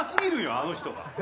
あの人が。